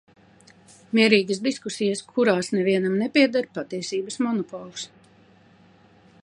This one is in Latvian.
Mierīgas diskusijas, kurās nevienam nepieder patiesības monopols.